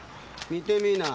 見てみぃな。